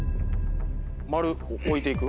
置いていく？